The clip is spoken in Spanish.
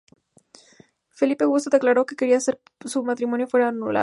Felipe Augusto declaró que quería que su matrimonio fuera anulado.